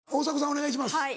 お願いします。